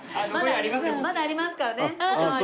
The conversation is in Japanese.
まだありますからねおかわり。